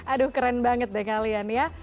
aduh keren banget deh kalian ya